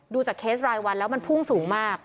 ดูจากเคสรายวันแล้วมันพุ่งสูงมาก